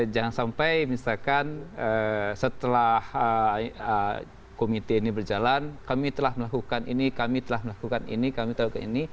jangan sampai misalkan setelah komite ini berjalan kami telah melakukan ini kami telah melakukan ini kami tahu ini